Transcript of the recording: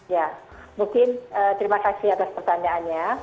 ya mungkin terima kasih atas pertanyaannya